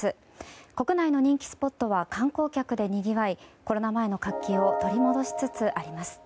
国内の人気スポットは観光客でにぎわいコロナ前の活気を取り戻しつつあります。